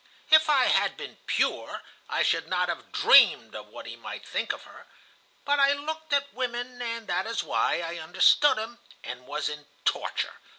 "If I had been pure, I should not have dreamed of what he might think of her. But I looked at women, and that is why I understood him and was in torture.